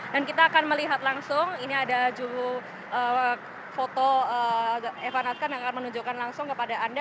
dan kita akan melihat langsung ini ada juru foto evan atkan yang akan menunjukkan langsung kepada anda